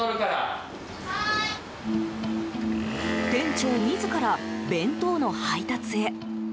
店長自ら弁当の配達へ。